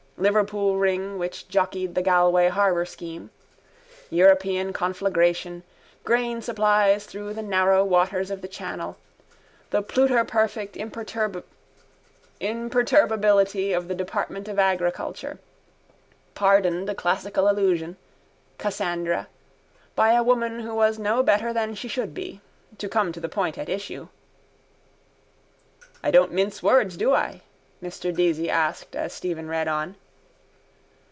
Liverpool ring which jockeyed the Galway harbour scheme. European conflagration. Grain supplies through the narrow waters of the channel. The pluterperfect imperturbability of the department of agriculture. Pardoned a classical allusion. Cassandra. By a woman who was no better than she should be. To come to the point at issue. —I don't mince words, do I? Mr Deasy asked as Stephen read on.